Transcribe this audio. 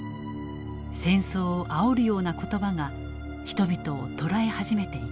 戦争をあおるような言葉が人々を捉え始めていた。